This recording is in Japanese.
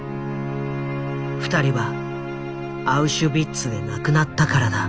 ２人はアウシュビッツで亡くなったからだ。